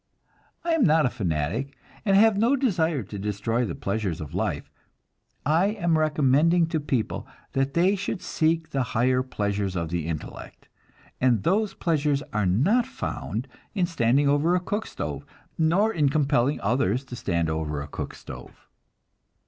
I am not a fanatic, and have no desire to destroy the pleasures of life; I am recommending to people that they should seek the higher pleasures of the intellect, and those pleasures are not found in standing over a cook stove, nor in compelling others to stand over a cook stove.